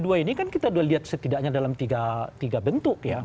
kalau dua ratus dua belas ini kan kita udah lihat setidaknya dalam tiga bentuk ya